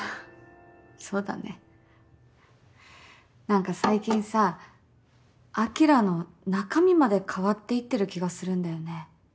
何か最近さ晶の中身まで変わっていってる気がするんだよね。